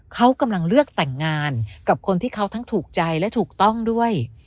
เขากำลังเลือกแต่งงานกับคนที่เขาทั้งถูกใจและถูกต้องด้วย